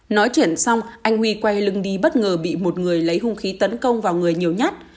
nói chuyển xong anh huy quay lưng đi bất ngờ bị một người lấy hung khí tấn công vào người nhiều nhát